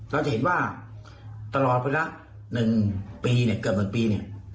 เราจะเห็นว่าตลอดเวลา๑ปีเนี่ยเกือบ๑ปีเนี่ย